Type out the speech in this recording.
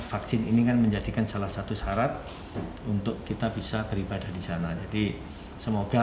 vaksin ini kan menjadikan salah satu syarat untuk kita bisa beribadah di sana jadi semoga